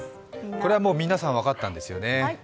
これはもう皆さん分かったんですよね。